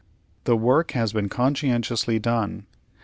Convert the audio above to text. The work has been conscientiously done.